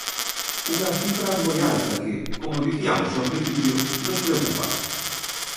Unha cifra moi alta que, como diciamos ao principio, nos preocupa.